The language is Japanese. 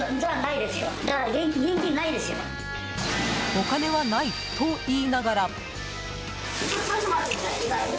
お金はないと言いながら。